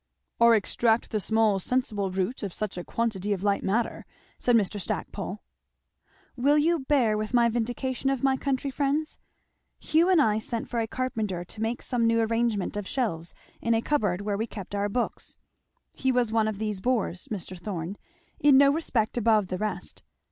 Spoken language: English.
"Or extract the small sensible root of such a quantity of light matter," said Mr. Stackpole. "Will you bear with my vindication of my country friends? Hugh and I sent for a carpenter to make some new arrangement of shelves in a cupboard where we kept our books; he was one of these boors, Mr. Thorn, in no respect above the rest.